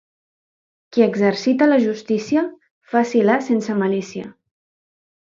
Qui exercita la justícia, faci-la sense malícia.